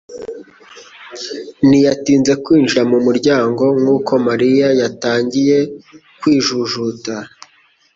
ntiyatinze kwinjira mu muryango nkuko Mariya yatangiye kwijujuta